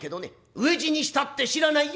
飢え死にしたって知らないよ」。